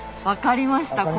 分かりました？